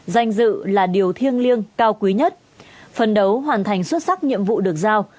danh dự là điều thiêng liêng cao quý nhất phân đấu hoàn thành xuất sắc nhiệm vụ được giao